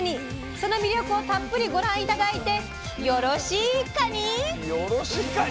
その魅力をたっぷりご覧頂いてよろしいかに⁉よろしいかに？